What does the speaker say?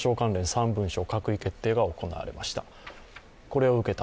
３文書の閣議決定が行われました。